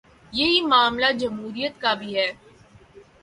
یہی معاملہ جمہوریت کا بھی ہے۔